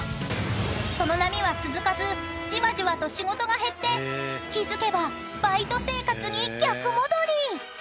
［その波は続かずじわじわと仕事が減って気付けばバイト生活に逆戻り］